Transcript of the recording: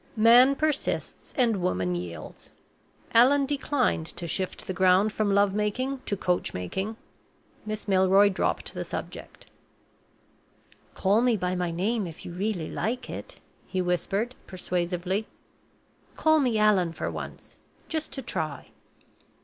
Man persists, and woman yields. Allan declined to shift the ground from love making to coach making. Miss Milroy dropped the subject. "Call me by my name, if you really like it," he whispered, persuasively. "Call me 'Allan' for once; just to try."